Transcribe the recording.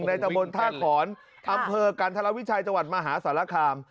ตะบนท่าขอนอำเภอกันธรวิชัยจังหวัดมหาสารคาม